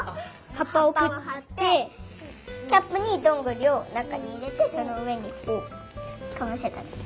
はっぱをはってキャップにどんぐりをなかにいれてそのうえにかぶせただけ。